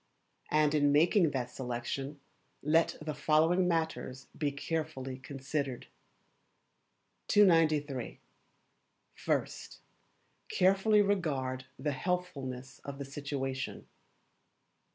And in making that selection let the following matters be carefully considered: 293. First Carefully regard the Healthfulness of the Situation.